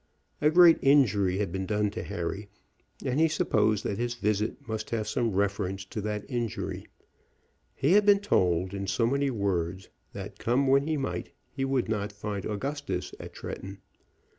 A great injury had been done to Harry, and he supposed that his visit must have some reference to that injury. He had been told in so many words that, come when he might, he would not find Augustus at Tretton.